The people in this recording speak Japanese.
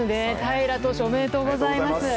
平良投手、おめでとうございます。